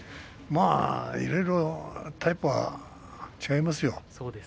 まあ、いろいろタイプは違いますよ。